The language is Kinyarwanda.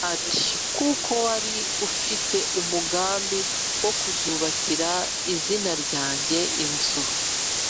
ati ‘Kuko wari ufite umugambi wo kuzubakira izina ryanjye inzu